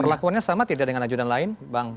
perlakuannya sama tidak dengan ajudan lain